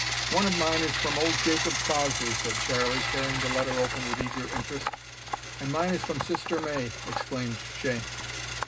"One of mine is from old Jacob Crossley," said Charlie, tearing the letter open with eager interest. "An' mine is from sister May," exclaimed Shank.